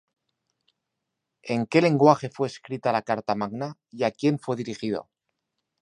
¿En qué lenguaje fue escrita la Carta Magna, y a quién fue dirigido?